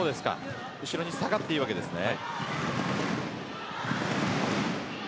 後ろに下がっていいというわけですね。